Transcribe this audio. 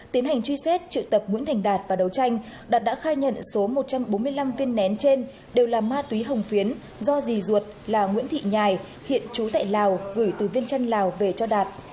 tiến hành truy xét triệu tập nguyễn thành đạt và đấu tranh đạt đã khai nhận số một trăm bốn mươi năm viên nén trên đều là ma túy hồng phiến do rì ruột là nguyễn thị nhài hiện trú tại lào gửi từ viên chân lào về cho đạt